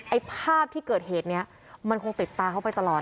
ไอ้ภาพที่เกิดเหตุนี้มันคงติดตาเขาไปตลอด